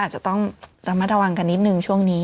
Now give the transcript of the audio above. อาจจะต้องระมัดระวังกันนิดนึงช่วงนี้